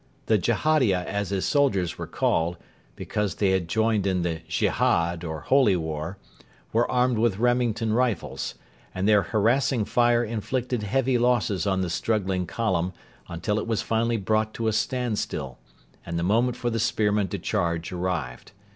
The Jehadia, as his soldiers were called because they had joined in the Jehad, or Holy War were armed with Remington rifles, and their harassing fire inflicted heavy losses on the struggling column until it was finally brought to a standstill, and the moment for the spearmen to charge arrived.